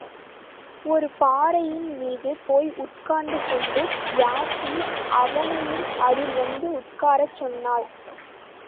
ஒரு பாறையின் மீது போய் உட்கார்ந்து கொண்டு யாஸ்மி அவனையும் அதில் வந்து உட்காரச் சொன்னாள்.